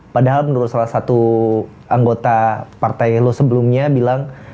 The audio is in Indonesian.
padahal menurut salah satu anggota partai lo sebelumnya bilang